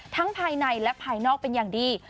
ภายในและภายนอกเป็นอย่างดี